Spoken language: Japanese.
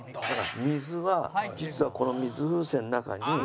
水は実はこの水風船の中に。